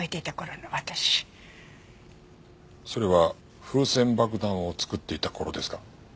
それは風船爆弾を作っていた頃ですか？